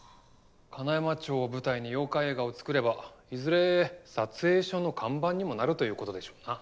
金山町を舞台に妖怪映画を作ればいずれ撮影所の看板にもなるということでしょうな。